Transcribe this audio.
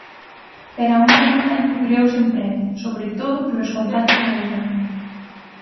Pero ao mesmo tempo creouse emprego, sobre todo polos contratos en Educación.